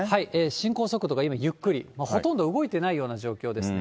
進行速度が今ゆっくり、もうほとんど動いてないような状況ですね。